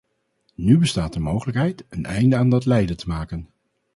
Nu bestaat de mogelijkheid een einde aan dat lijden te maken.